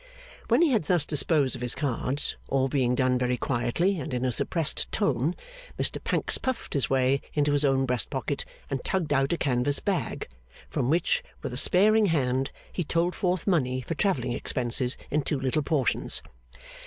When he had thus disposed of his cards, all being done very quietly and in a suppressed tone, Mr Pancks puffed his way into his own breast pocket and tugged out a canvas bag; from which, with a sparing hand, he told forth money for travelling expenses in two little portions.